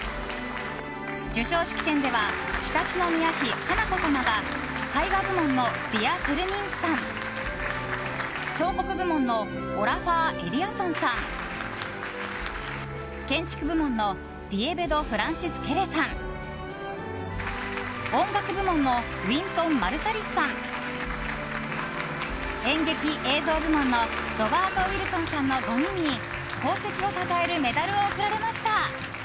授賞式典では常陸宮妃華子さまが絵画部門のヴィヤ・セルミンスさん彫刻部門のオラファー・エリアソンさん建築部門のディエベド・フランシス・ケレさん音楽部門のウィントン・マルサリスさん演劇・映像部門のロバート・ウィルソンさんの５人に功績をたたえるメダルを贈られました。